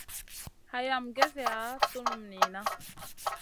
Hayam gezeya tunum niyna.